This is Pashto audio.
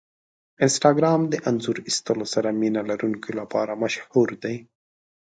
انسټاګرام د انځور ایستلو سره مینه لرونکو لپاره مشهور دی.